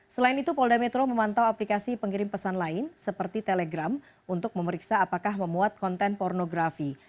selain itu polda metro memantau aplikasi pengirim pesan lain seperti telegram untuk memeriksa apakah memuat konten pornografi